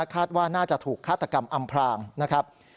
คาดว่าน่าจะถูกฆาตกรรมอำพรางนะครับ